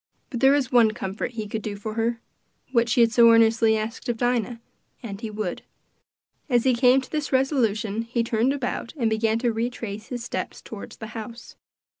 But there was one comfort he could do for her what she had so earnestly asked of Dinah and he would. As he came to this resolution he turned about and began to retrace his steps toward the house.